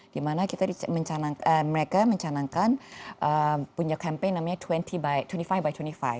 di mana kita mencanangkan mereka mencanangkan punya campaign namanya dua puluh lima by dua puluh lima